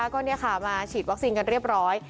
ก็มาฉีดวัคซีนกันเรียบร้อย